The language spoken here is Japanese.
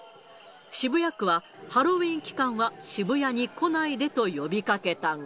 渋谷区はハロウィーン期間は渋谷に来ないでと呼びかけたが。